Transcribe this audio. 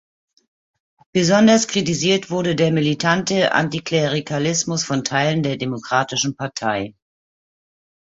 Besonders kritisiert wurde der militante Antiklerikalismus von Teilen der Demokratischen Partei.